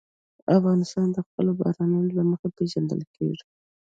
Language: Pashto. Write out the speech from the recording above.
افغانستان د خپلو بارانونو له مخې پېژندل کېږي.